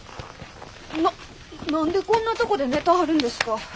な何でこんなとこで寝たはるんですか。